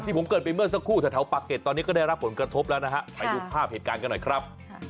ผมเกิดไปเมื่อสักครู่แถวปากเกร็ดตอนนี้ก็ได้รับผลกระทบแล้วนะฮะไปดูภาพเหตุการณ์กันหน่อยครับ